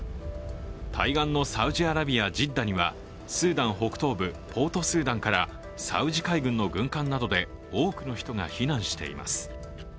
対岸のサウジアラビア・ジッダにはスーダン北東部ポートスーダンからサウジ海軍の軍艦などで多くの人が避難しています。